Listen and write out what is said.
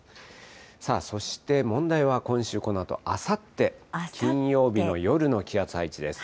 さあ、そして問題は、今週このあと、あさって金曜日の夜の気圧配置です。